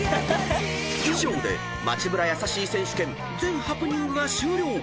［以上で街ブラ優しい選手権全ハプニングが終了］